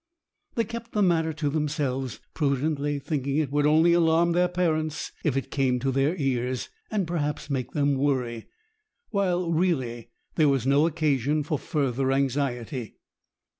They kept the matter to themselves, prudently thinking it would only alarm their parents if it came to their ears, and perhaps make them worry, while really there was no occasion for further anxiety.